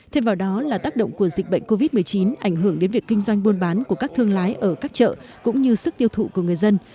thêm vào đó là tác động của dịch bệnh covid một mươi chín ảnh hưởng đến việc kinh doanh buôn bán của các thương lái ở các chợ cũng như sức tiêu thụ của người dân